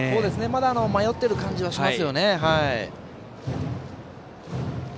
まだ迷っている感じはしますよね。